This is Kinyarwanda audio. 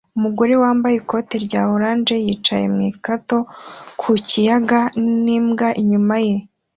umugore wambaye ikoti rya orange yicaye mu kato ku kiyaga n'imbwa inyuma ye